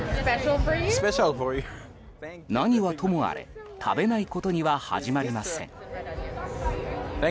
何はともあれ食べないことには始まりません。